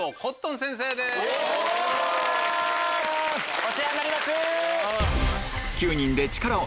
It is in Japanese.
お世話になります！